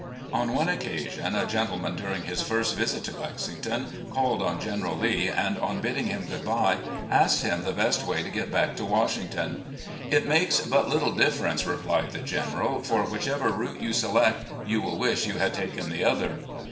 On one occasion, a gentleman during his first visit to Lexington called on General Lee and on bidding him good bye asked him the best way to get back to Washington. "It makes but little difference," replied the General, "for whichever route you select, you will wish you had taken the other."